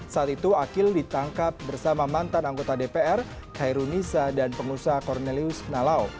saat itu akhil ditangkap bersama mantan anggota dpr khairul nisa dan pengusaha cornelius nalau